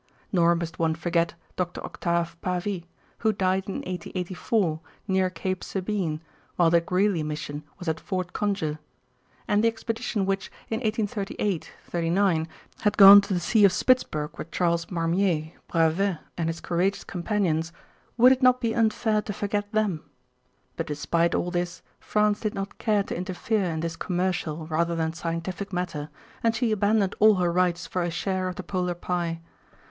Nor must one forget Dr. Octave Pavy, who died in 1884, near Cape Sabine, while the Greely Mission was at Fort Conger. And the expedition which, in 1838 39, had gone to the Sea of Spitzberg with Charles Marmier, Bravais and his courageous companions, would it not be unfair to forget them. But despite all this France did not care to interfere in this commercial rather than scientific matter, and she abandoned all her rights for a share of the polar pie.